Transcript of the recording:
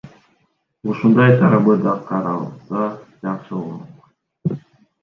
Ушундай тарабы да каралса, жакшы болмок.